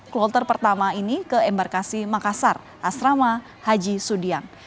kloter pertama ini ke embarkasi makassar asrama haji sudiang